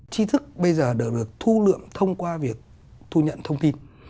chí thức bây giờ được thu lượm thông qua việc thu nhận thông tin